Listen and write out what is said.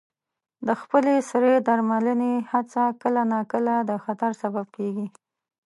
د خپل سرې درملنې هڅه کله ناکله د خطر سبب کېږي.